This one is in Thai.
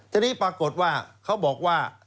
ทีนี้ปรากฏว่าเขาบอกว่า